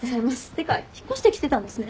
てか引っ越してきてたんですね。